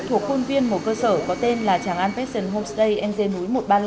thuộc khuôn viên một cơ sở có tên là tràng an fashion homestay ng núi một trăm ba mươi năm